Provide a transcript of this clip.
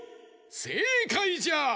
せいかいじゃ！